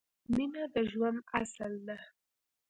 مینه د ژوند اصل ده